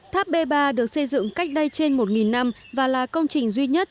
tháp b ba được xây dựng cách đây trên một năm và là công trình duy nhất